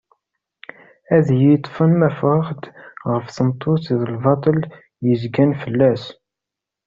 Ad iyi-ṭfen ma fɣeɣ-d ɣef tmeṭṭut d lbaṭel yezgan fell-as.